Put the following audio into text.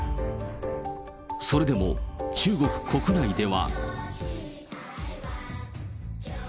それでも中国国内では。